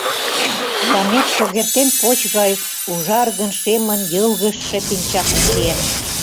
Ямет шогертен поч гай ужаргын-шемын йылгыжше пинчакым чиен.